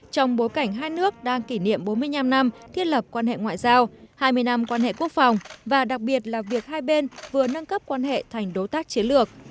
trong bối cảnh hai nước đang kỷ niệm bốn mươi năm năm thiết lập quan hệ ngoại giao hai mươi năm quan hệ quốc phòng và đặc biệt là việc hai bên vừa nâng cấp quan hệ thành đối tác chiến lược